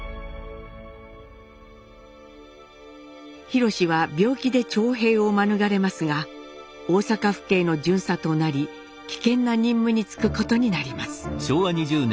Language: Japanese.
廣は病気で徴兵を免れますが大阪府警の巡査となり危険な任務に就くことになります。